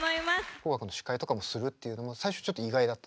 「紅白」の司会とかもするっていうのも最初ちょっと意外だった。